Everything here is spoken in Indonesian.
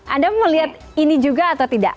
anda melihat ini juga atau tidak